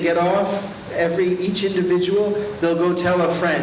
setiap orang mereka akan beritahu teman teman